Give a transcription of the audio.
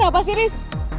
kenapa sih riz